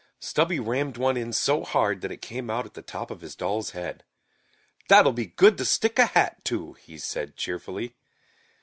Stubby rammed one in so hard that it came out at the top of his doll's head. "That'll be good to stick a hat to," he said cheerfully.